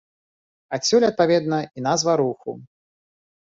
Адсюль, адпаведна, і назва руху.